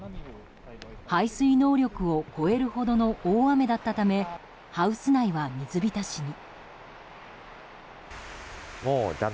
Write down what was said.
排水能力を超えるほどの大雨だったためハウス内は水浸しに。